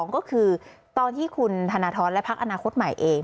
ก็คือตอนที่คุณธนทรและพักอนาคตใหม่เอง